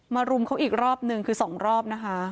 มารุมเขาอีกรอบหนึ่งคือสองรอบนะคะ